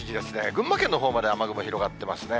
群馬県のほうまで雨雲広がってますね。